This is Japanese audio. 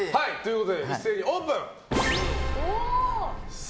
一斉にオープン！